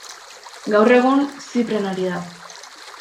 Gaur egun Zipren ari da.